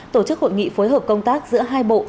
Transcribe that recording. tổ chức hội nghị phối hợp công tác giữa hai bộ